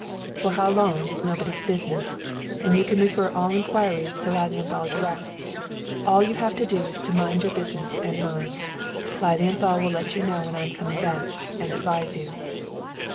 "For how long, is nobody's business, and you can refer all inquiries to Lilienthal direct. All that you have to do is to mind your business and mine. Lilienthal will let you know when I am coming back, and advise you."